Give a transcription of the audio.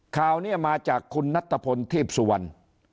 ข่าวนี้มาจากคุณนัทพลทีพสุวรรณ